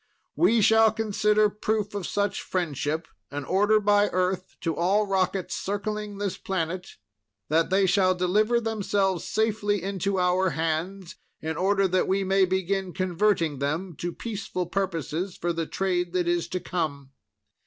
"We shall consider proof of such friendship an order by Earth to all rockets circling this planet that they shall deliver themselves safely into our hands, in order that we may begin converting them to peaceful purposes for the trade that is to come.